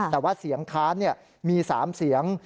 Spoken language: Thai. แต่ว่าเสียงค้านมี๓เสียง